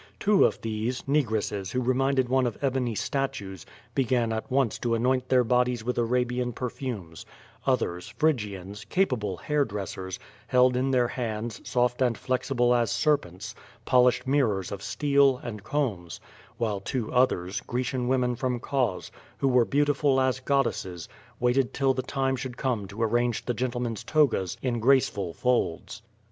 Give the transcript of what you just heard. Two of these, negresses who reminded one of ebony statues, began at once to anoint their bodies with Arabian perfumes; others, Phrygians, capable hair dressers, held in their hands, soft and flexible as serpents, polislied mirrors of 6teel, and combs; while two others, Grecian M'omen from Cos, who were beautiful as goddesses, waited till tlie time should come to arrange the gentlemen's togas in graceful folds.